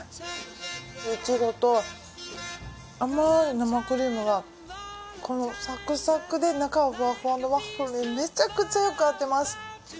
イチゴと甘い生クリームがサクサクで中はふわふわのワッフルにめちゃくちゃよく合ってます。